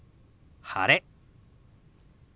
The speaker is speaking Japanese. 「晴れ」。